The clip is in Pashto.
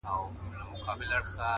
نن شپه د ټول كور چوكيداره يمه،